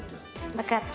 わかった。